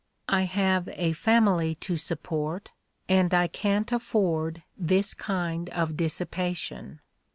'' I have a family to support, and I can't afford this kind of dissipation."